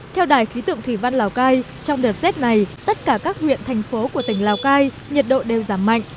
theo đài khí tượng thủy văn lào cai trong đợt rét này tất cả các huyện thành phố của tỉnh lào cai nhiệt độ đều giảm mạnh